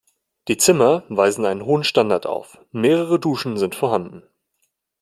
Die Zimmer weisen einen hohen Standard auf, mehrere Duschen sind vorhanden.